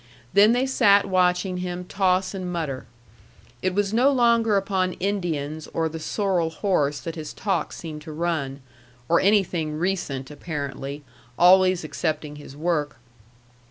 Then they sat watching him toss and mutter. It was no longer upon Indians or the sorrel horse that his talk seemed to run, or anything recent, apparently, always excepting his work.